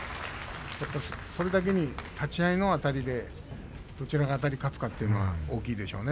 それだけに立ち合いのあたりでどちらがあたり勝つかというのが大きいでしょうね。